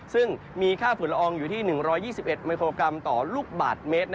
ซึ่งมีค่าฝุ่นละอองอยู่ที่๑๒๑มิโครกรัมต่อลูกบาทเมตร